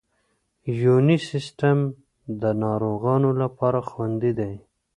یوني سیسټم د ناروغانو لپاره خوندي دی.